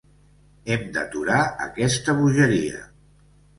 Hem d’aturar aquesta bogeria.